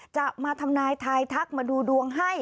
จะมาทำนายทายทักมาดูดวงให้